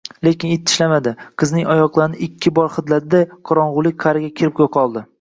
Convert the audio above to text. Lekin it tishlamadi, qizning oyoqlarini ikki bor hidladi-da, qorongʻulik qaʼriga kirib yoʻqoldi